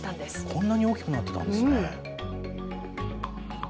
こんなに大きくなってたんですね。